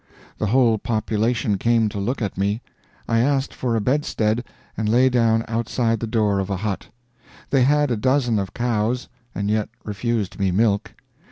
The whole population came to look at me. I asked for a bedstead, and lay down outside the door of a hut. They had a dozen of cows, and yet refused me milk.